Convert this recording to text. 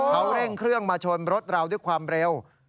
เขาเร่งเครื่องมาชนรถเราด้วยความเร็ว